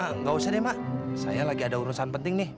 nggak usah deh mak saya lagi ada urusan penting nih